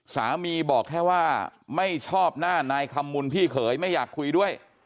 บอกแค่ว่าไม่ชอบหน้านายคำมุนพี่เขยไม่อยากคุยด้วย